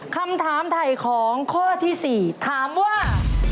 คำถามไถ่ของข้อที่๔ถามว่า